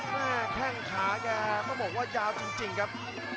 แม่แค่งขาแกก็บอกว่ายาวจริงครับ